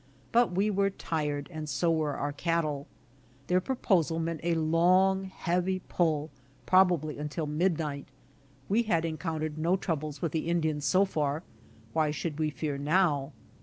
But we were tired and so were our cattle. Their proposal meant a long heavy pull probably until midnight. We had encountered no troubles with the Indians so far, why should we fear now?